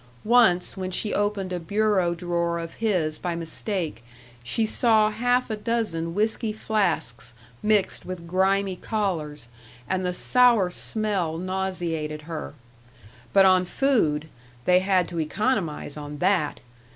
Once, when she opened a bureau drawer of his by mistake, she saw half a dozen whisky flasks mixed with grimy collars, and the sour smell nauseated her. But on food they had to economize on that!